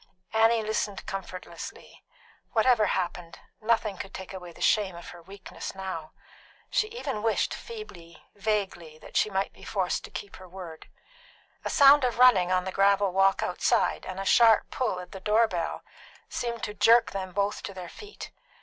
Annie listened comfortlessly. Whatever happened, nothing could take away the shame of her weakness now. She even wished, feebly, vaguely, that she might be forced to keep her word. A sound of running on the gravel walk outside and a sharp pull at the door bell seemed to jerk them both to their feet.